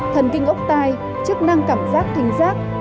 thần kinh ốc tai chức năng cảm giác thanh giác